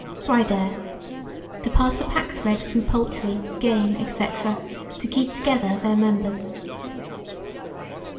BRIDER. To pass a packthread through poultry, game, &c., to keep together their members.